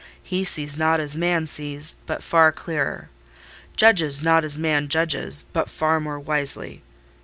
He sees not as man sees, but far clearer: judges not as man judges, but far more wisely.